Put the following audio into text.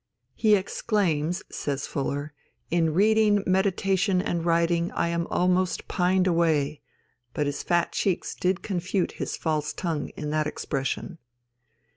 "He exclaims," says Fuller, "'in reading, meditation, and writing, I am almost pined away,' but his fat cheeks did confute his false tongue in that expression."